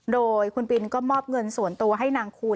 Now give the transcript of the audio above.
โดยคุณปินก็มอบเงินส่วนตัวให้นางคูณ